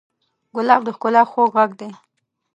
ګلاب د ښکلا خوږ غږ دی.